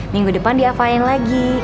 minggu depan diafalin lagi